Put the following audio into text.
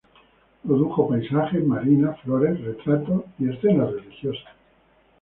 Produjo paisajes, marinas, flores, retratos, y escenas religiosas.